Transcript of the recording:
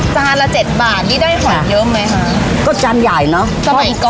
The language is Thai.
จานละเจ็ดบาทนี่ได้หอยเยอะไหมคะก็จานใหญ่เนอะสมัยก่อน